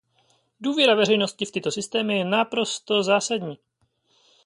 Důvěra veřejnosti v tyto systémy je naprosto zásadní.